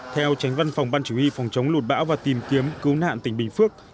theo tránh văn phòng ban chủ y phòng chống lụt bão và tìm kiếm cứu nạn tỉnh bình phước